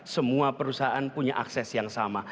semua perusahaan punya akses yang sama